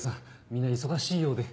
みんな忙しいようで。